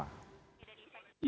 terima kasih pak